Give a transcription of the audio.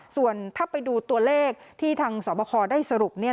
ส่วนถ้าไปดูตัวเลขที่ทางสอบคอได้สรุป